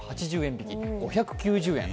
引、５９０円。